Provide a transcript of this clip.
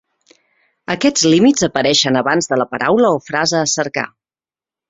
Aquests límits apareixen abans de la paraula o frase a cercar.